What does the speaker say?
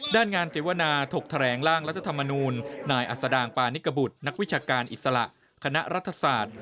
งานเสวนาถกแถลงร่างรัฐธรรมนูลนายอัศดางปานิกบุตรนักวิชาการอิสระคณะรัฐศาสตร์